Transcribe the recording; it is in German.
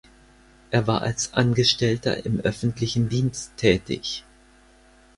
Er war als Angestellter im öffentlichen Dienst tätig.